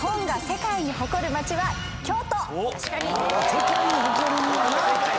世界に誇るにはな。